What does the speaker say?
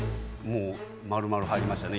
丸々入りましたね